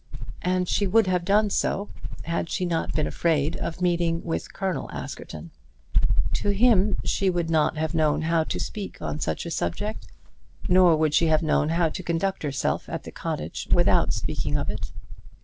And she would have done so had she not been afraid of meeting with Colonel Askerton. To him she would not have known how to speak on such a subject; nor would she have known how to conduct herself at the cottage without speaking of it.